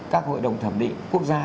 các hội đồng thẩm định quốc gia